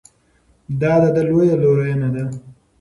دا د ده لویه لورینه ده.